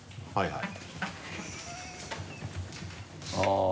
はい。